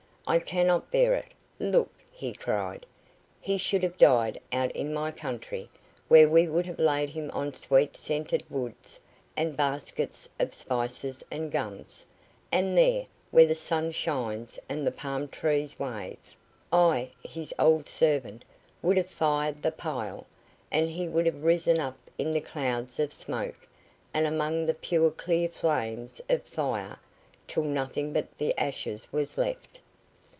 I cannot bear it. Look!" he cried, "he should have died out in my country, where we would have laid him on sweet scented woods, and baskets of spices and gums, and there, where the sun shines and the palm trees wave, I, his old servant, would have fired the pile, and he would have risen up in the clouds of smoke, and among the pure clear flames of fire, till nothing but the ashes was left.